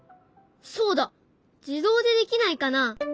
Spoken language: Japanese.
そうだ自動でできないかな？